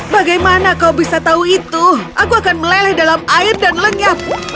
bagaimana kau bisa tahu itu aku akan meleleh dalam air dan lenyap